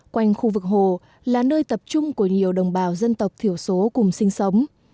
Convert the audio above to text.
quanh khu vực hồ là nơi tập trung của nhiều đồng bào dân tộc thiểu số cùng sinh sống